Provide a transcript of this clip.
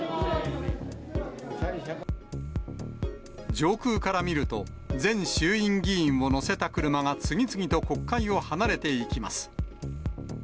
上空から見ると、前衆院議員を乗せた車が次々と国会を離れていきます。